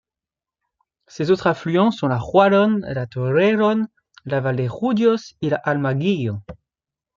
Ces autres affluents sont la Jualón, la Torrejón, la Valdejudíos et la Amarguillo.